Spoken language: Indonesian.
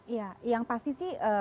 iya yang pasti sih